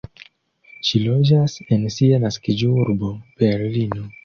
Ŝi loĝas en sia naskiĝurbo Berlino.